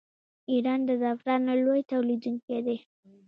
ایران د زعفرانو لوی تولیدونکی دی.